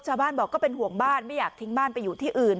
ชาวบ้านบอกก็เป็นห่วงบ้านไม่อยากทิ้งบ้านไปอยู่ที่อื่น